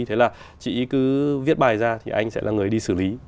thế là chị cứ viết bài ra thì anh sẽ là người đi xử lý